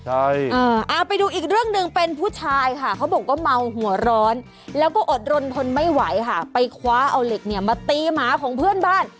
เอาไปดูอีกเรื่องหนึ่งเป็นผู้ชายค่ะเขาบอกว่าเมาหัวร้อนแล้วก็อดรนทนไม่ไหวค่ะไปคว้าเอาเหล็กเนี่ยมาตีหมาของเพื่อนบ้าน